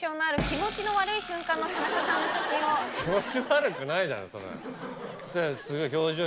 気持ち悪くないじゃんそんな。